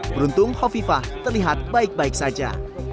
beruntung hovifah terlihat baik baik saja